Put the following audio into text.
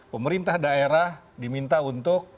pemerintah daerah diminta untuk